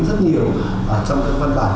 rất nhiều trong các văn bản